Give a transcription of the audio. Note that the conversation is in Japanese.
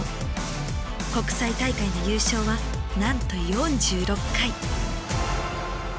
国際大会の優勝はなんと４６回。